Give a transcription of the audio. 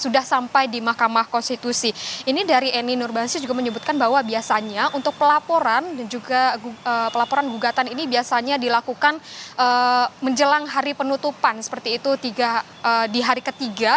sudah sampai di mahkamah konstitusi ini dari eni nurbansi juga menyebutkan bahwa biasanya untuk pelaporan dan juga pelaporan gugatan ini biasanya dilakukan menjelang hari penutupan seperti itu tiga di hari ketiga